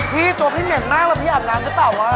พี่ตัวพี่เหม็นมากแล้วพี่อาบน้ำหรือเปล่าวะ